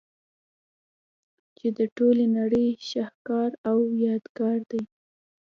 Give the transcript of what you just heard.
چي د ټولي نړۍ شهکار او يادګار دئ.